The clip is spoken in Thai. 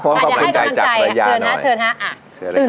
ขอบคุณนายจากพรรยาน้อย